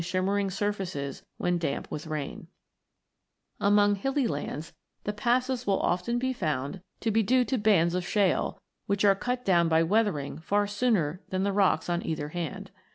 shimmering surfaces when damp with rain (Fig. 10). Among hilly lands, the passes will often be found to 96 ROCKS AND THEIR ORIGINS [CH. iv be due to bands of shale, which are cut down by weathering far sooner than the rocks on either hand.